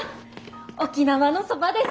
沖縄のそばです。